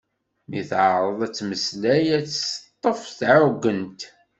Mi teɛreḍ ad temmeslay ad tt-teṭṭef tɛuggent.